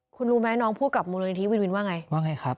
คุณรู้ไหมน้องพูดกับมูลนิธิวินวินว่าไงว่าไงครับ